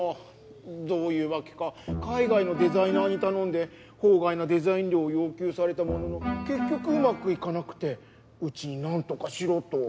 どういう訳か海外のデザイナーに頼んで法外なデザイン料を要求されたものの結局うまくいかなくてうちに何とかしろと。